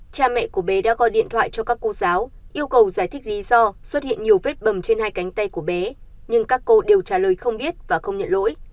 cha mẹ của bé đã gọi điện thoại cho các cô giáo yêu cầu giải thích lý do xuất hiện nhiều vết bầm trên hai cánh tay của bé nhưng các cô đều trả lời không biết và không nhận lỗi